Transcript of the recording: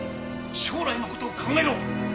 将来の事を考えろ！